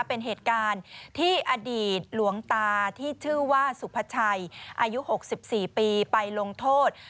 เป็นเหตุการณ์ที่อดีตหลวงตาที่ชื่อว่าสุพชัยอายุ๖๔ปีไปลงโทษ